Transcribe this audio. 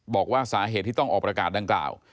บอกว่าสาเหตุที่ต้องออกประกาศดังกล่าว